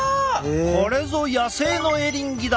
これぞ野生のエリンギだ！